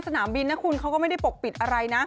สนามบินนะคุณเขาก็ไม่ได้ปกปิดอะไรนะ